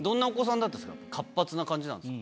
活発な感じなんですか？